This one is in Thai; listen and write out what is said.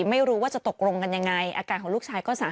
ไม่รู้ว่าจะตกลงกันยังไงอาการของลูกชายก็สา